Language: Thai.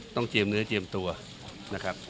เจียมเนื้อเจียมตัวนะครับ